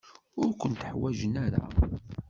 Ur kent-ḥwajen ara.